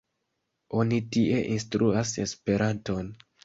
Oni tie instruas Esperanton.